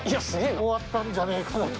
終わったんじゃないかなと。